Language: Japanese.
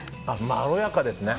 まろやかですね。